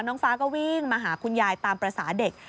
น้องฟ้าก็วิ่งมาหาคุณยายตามภาษาเด็ก